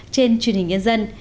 trên truyền hình nhân dân